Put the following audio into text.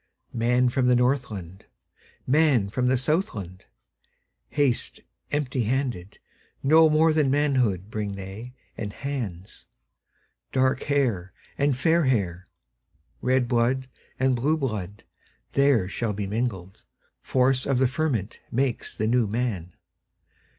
Man from the Northland, Man from the Southland, Haste empty handed; No more than manhoodBring they, and hands. Dark hair and fair hair, Red blood and blue blood, There shall be mingled; Force of the fermentMakes the New Man.